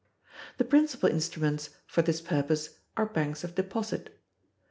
The principal instruments for this purpose are banks of deposit.